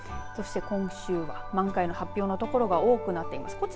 そして今週は満開が発表の所が多くなっています。